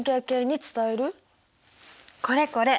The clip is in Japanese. これこれ！